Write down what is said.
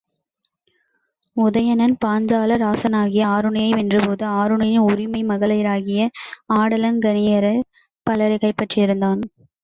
உதயணன் பாஞ்சால ராசனாகிய ஆருணியை வென்ற போது, ஆருணியின் உரிமை மகளிராகிய ஆடலங் கணிகையர் பலரைக் கைப்பற்றியிருந்தான்.